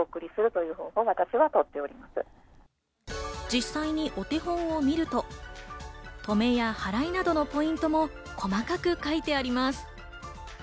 実際にお手本を見ると、とめや、はらいなどのポイントも細かく書いてあります。